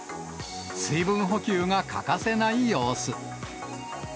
水分補給が欠かせない様子。